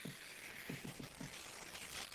由北京市监察委员会调查终结